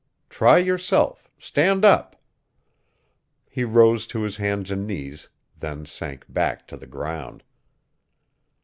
Try yourself; stand up." He rose to his hands and knees, then sank back to the ground.